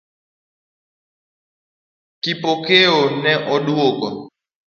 Kipokeo ne oduoko